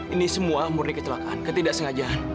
ini semua murni kecelakaan ketidaksengajaan